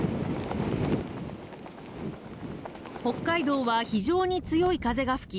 北海道は非常に強い風が吹き